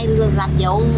tại mình ở đây lập vụ xong